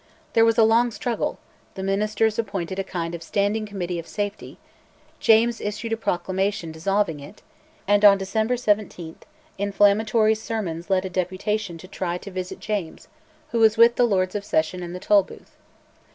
There was a long struggle, the ministers appointed a kind of standing Committee of Safety; James issued a proclamation dissolving it, and, on December 17, inflammatory sermons led a deputation to try to visit James, who was with the Lords of Session in the Tolbooth.